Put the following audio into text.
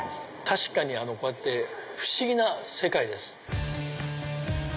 確かにこうやって不思議な世界です。